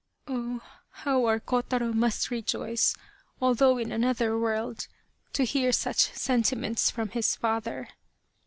"Oh, how our Kotaro must rejoice although in another world, to hear such sentiments from his father.